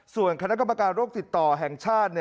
ส่วนคณะกรรมการโรคติดต่อแห่งชาติ